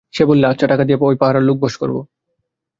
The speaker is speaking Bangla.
সে বললে, আচ্ছা, টাকা দিয়ে ঐ পাহারার লোকদের বশ করব।